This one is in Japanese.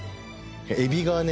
エビがね